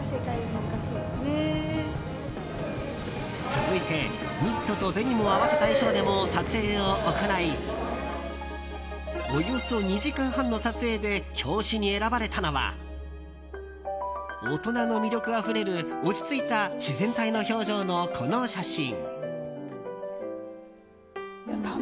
続いて、ニットとデニムを合わせた衣装でも撮影を行いおよそ２時間半の撮影で表紙に選ばれたのは大人の魅力あふれる落ち着いた自然体の表情のこの写真。